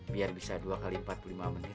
biar bisa dua x empat puluh lima menit